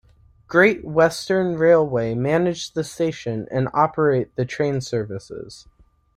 Great Western Railway manage the station and operate the train services.